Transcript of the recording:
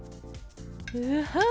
うはっ！